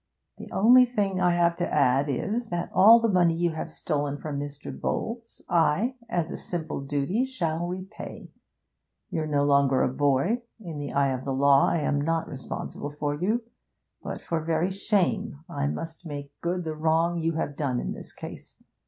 'The only thing I have to add is, that all the money you have stolen from Mr. Bowles I, as a simple duty, shall repay. You're no longer a boy. In the eye of the law I am not responsible for you; but for very shame I must make good the wrong you have done in this case.